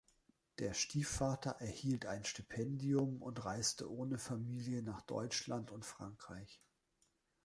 Der Stiefvater erhielt ein Stipendium und reiste ohne Familie nach Deutschland und Frankreich.